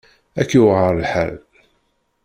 Ad k-yuεer lḥal.